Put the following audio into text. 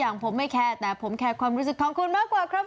อย่างผมไม่แคร์แต่ผมแคร์ความรู้สึกของคุณมากกว่าครับ